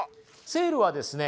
セールはですね